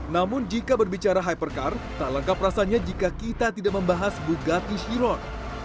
namun jika berbicara hypercar tak lengkap rasanya jika kita tidak membahas bugaty hiror